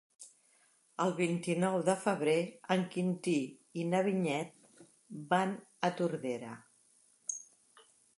El vint-i-nou de febrer en Quintí i na Vinyet van a Tordera.